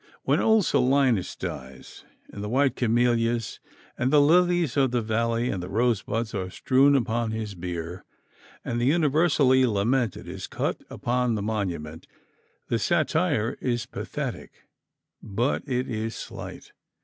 When old Silenus dies, and the white camellias and the lilies of the valley and the rose buds are strewn upon his bier, and the "universally lamented" is cut upon the monument, the satire is pathetic, but it is slight.